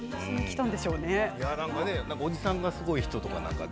おじさんがすごい人とかね。